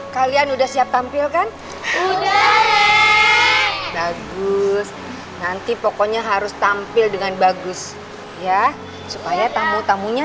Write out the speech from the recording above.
kalian udah siap tampilkan bagus nanti pokoknya harus tampil dengan bagus ya supaya tamu tamunya